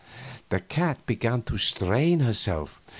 The cat began to strain herself.